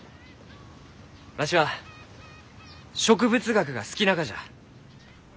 わしは植物学が好きながじゃ。